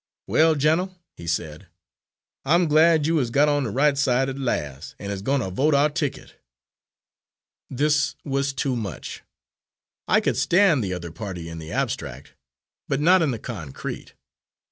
"'Well, Gin'l,' he said, 'I'm glad you is got on de right side at las', an' is gwine to vote our ticket.'" "This was too much! I could stand the other party in the abstract, but not in the concrete.